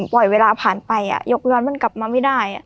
ปล่อยเวลาผ่านไปยกย้อนมันกลับมาไม่ได้